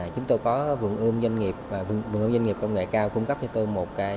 chúng tôi có vườn ươm doanh nghiệp và vườn ươm doanh nghiệp công nghệ cao cung cấp cho tôi một cái